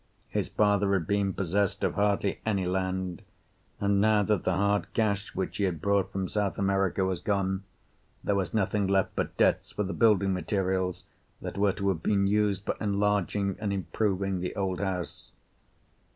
His father had been possessed of hardly any land, and now that the hard cash which he had brought from South America was gone, there was nothing left but debts for the building materials that were to have been used for enlarging and improving the old house.